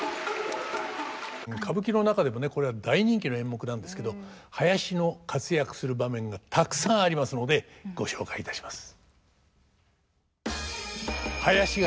歌舞伎の中でもこれは大人気の演目なんですけど囃子の活躍する場面がたくさんありますのでご紹介いたします。